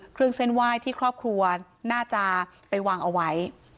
เครื่องเส้นไหว้ที่ครอบครัวน่าจะไปวางเอาไว้